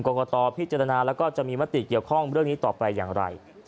กรกตพิจารณาแล้วก็จะมีมติเกี่ยวข้องเรื่องนี้ต่อไปอย่างไร